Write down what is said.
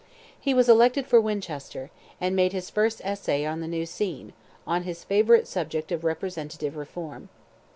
He was elected for Winchester, and made his first essay on the new scene, on his favourite subject of representative reform.